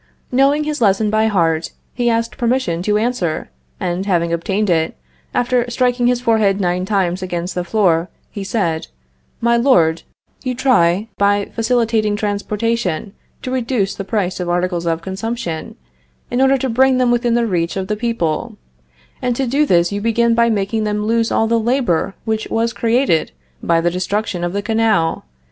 Knowing his lesson by heart, he asked permission to answer, and, having obtained it, after striking his forehead nine times against the floor, he said: "My Lord, you try, by facilitating transportation, to reduce the price of articles of consumption, in order to bring them within the reach of the people; and to do this you begin by making them lose all the labor which was created by the destruction of the canal.